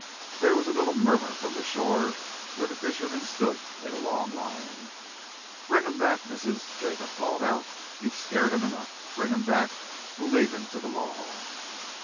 There was a little murmur from the shore, where the fishermen stood in a long line. "Bring him back, missus," Jacob called out. "You've scared him enough. Bring him back. We'll leave him to the law."